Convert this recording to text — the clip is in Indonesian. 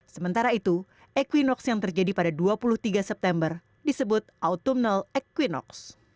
sementara itu equinox yang terjadi pada dua puluh tiga september disebut autumnal equinox